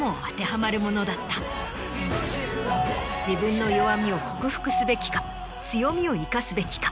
自分の弱みを克服すべきか強みを生かすべきか。